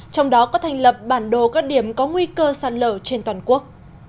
trong đó có thành lập bản đồ các điểm có nguy cơ sạt lở trên toàn quốc